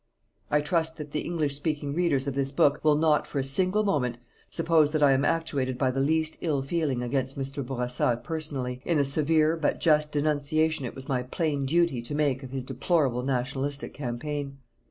I trust that the English speaking readers of this book, will not, for a single moment, suppose that I am actuated by the least ill feeling against Mr. Bourassa personally, in the severe but just denunciation it was my plain duty to make of his deplorable Nationalist campaign.